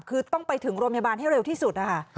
คือต้องไปถึงโรงพยาบาลให้เร็วที่สุดนะคะ